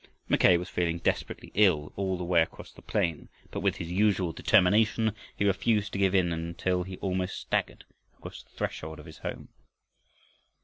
Mackay was feeling desperately ill all the way across the plain, but with his usual determination he refused to give in until he almost staggered across the threshold of his home.